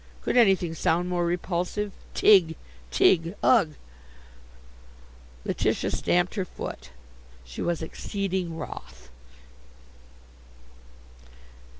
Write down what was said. Could anything sound more repulsive? Tig! Tig! Ugh!" Letitia stamped her foot. She was exceeding wroth.